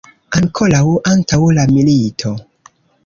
Ankoraŭ antaŭ la milito.